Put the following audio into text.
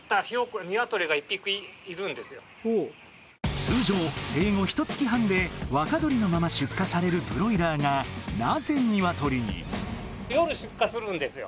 通常生後ひと月半で若鶏のまま出荷されるブロイラーがなぜニワトリに？